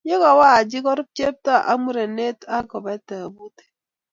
ye kokowo Haji korub chepto ak murenet ak kobe tebutik.